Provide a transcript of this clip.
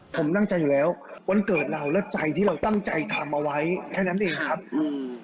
ผมตั้งใจอยู่แล้ววันเกิดเราและใจที่เราตั้งใจทำเอาไว้แค่นั้นเองครับอืม